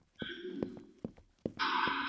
د مقالي لیکل د شاګرد کار دی.